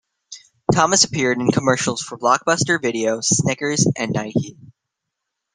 Thomas appeared in commercials for Blockbuster Video, Snickers and Nike.